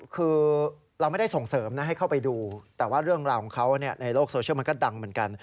คือเราไม่ได้ส่งเสริมนะให้เข้าไปดูแต่ว่าเรื่องราวของเขาในโลกโซเชียลมันก็ดังเหมือนกัน